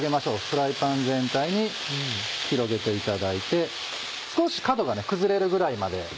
フライパン全体に広げていただいて少し角が崩れるぐらいまで。